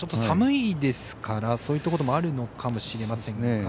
寒いですからそういったこともあるのかもしれませんが。